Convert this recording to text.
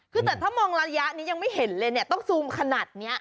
คือแต่ถ้ามองระยะนี้ยังไม่เห็นเลยเนี่ยต้องซูมขนาดนี้